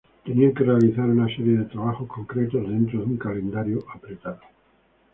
Tenían que realizar una serie de trabajos concretos dentro de un calendario apretado.